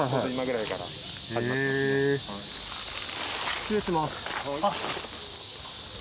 失礼します。